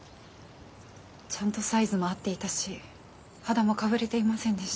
ちゃんとサイズも合っていたし肌もかぶれていませんでした。